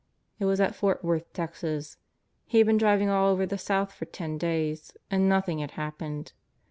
It was at Fort Worth, Texas. He had been driving all over the South for ten days, and nothing had happened.